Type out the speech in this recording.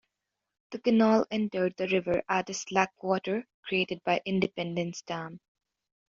The canal entered the river at a "slackwater" created by Independence Dam.